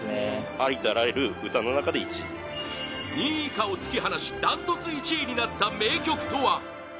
２位以下を突き放しダントツ１位になった名曲とは？